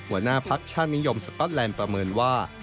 หัวหน้าพักชาตินิยมสก๊อตแลนด์ประเมินว่า